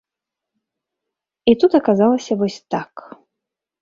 І тут аказалася вось так.